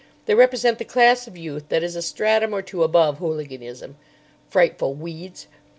They represent the class of youth that is a stratum or two above hooliganism. Frightful weeds.